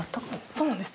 そうなんです。